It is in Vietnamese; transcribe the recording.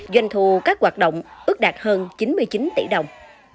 doanh thu các hoạt động ước đạt hơn chín mươi chín tỷ đồng